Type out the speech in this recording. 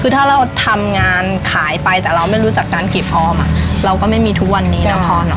คือถ้าเราทำงานขายไปแต่เราไม่รู้จักการกรีบออมเราก็ไม่มีทุกวันนี้นะพอเนอ